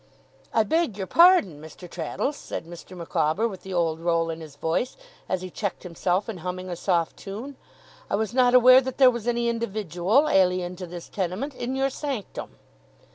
'I beg your pardon, Mr. Traddles,' said Mr. Micawber, with the old roll in his voice, as he checked himself in humming a soft tune. 'I was not aware that there was any individual, alien to this tenement, in your sanctum.